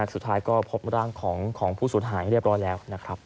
สุดท้ายก็พบร่างของผู้สูญหายเรียบร้อยแล้วนะครับ